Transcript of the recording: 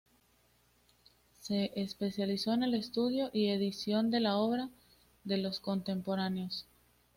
Se especializó en el estudio y edición de la obra de Los Contemporáneos.